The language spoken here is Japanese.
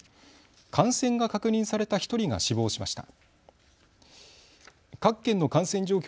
感染が確認された１人が死亡しました。